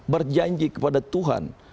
berjanji kepada tuhan